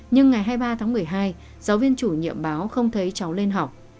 nhưng ngày hai mươi ba tháng một mươi hai giáo viên chủ nhiệm báo không thấy cháu lên học